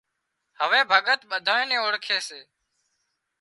هوَي ڀڳت ٻڌانئي نين اوۯکي سي